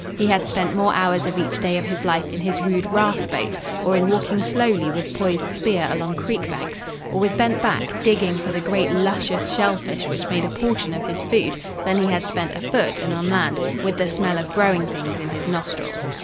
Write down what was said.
He had spent more hours of each day of his life in his rude raft boat, or in walking slowly with poised spear along creek banks, or, with bent back, digging for the great luscious shell fish which made a portion of his food, than he had spent afoot and on land, with the smell of growing things in his nostrils.